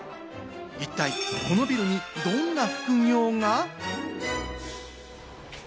一体このビルにどんな副業が？